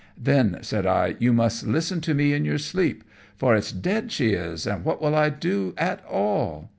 "Then," said I, "you must listen to me in your sleep, for it's dead she is, and what will I do at all?"